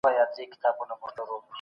د منابعو ويش بايد په عادلانه توګه وسي.